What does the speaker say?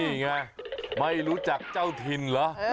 นี่ไงไม่รู้จักเจ้าถิ่นเหรอ